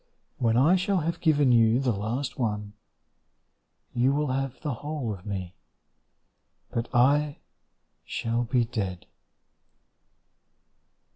When I shall have given you the last one, You will have the whole of me, But I shall be dead.